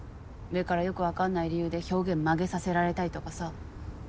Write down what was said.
上からよくわかんない理由で表現曲げさせられたりとかさ。